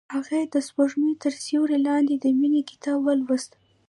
هغې د سپوږمۍ تر سیوري لاندې د مینې کتاب ولوست.